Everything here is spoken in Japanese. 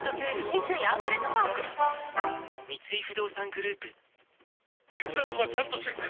三井アウトレットパーク三井不動産グループ血圧はちゃんとチェック！